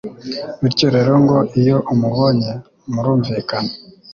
bityo rero ngo iyo umubonye murumvikana